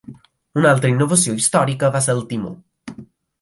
Una altra innovació històrica va ser el timó.